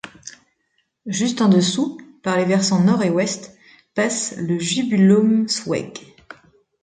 Juste en dessous, par les versants nord et ouest, passe le Jubiläumsweg.